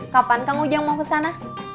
kapan kang ujang mau kesana